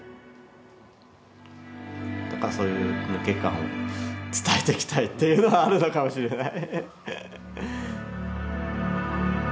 だからそういう抜け感を伝えていきたいっていうのはあるのかもしれない。